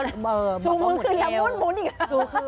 ชูมือขึ้นแล้วมุนอีกแล้ว